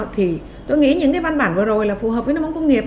thì tôi nghĩ những cái văn bản vừa rồi là phù hợp với nước mắm công nghiệp